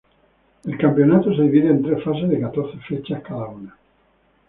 El campeonato se divide en tres fases de catorce fechas cada una.